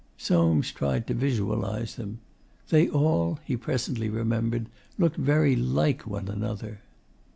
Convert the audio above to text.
Soames tried to visualise them. 'They all,' he presently remembered, 'looked very like one another.